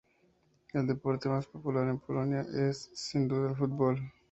El deporte más popular en Polonia es sin duda el fútbol.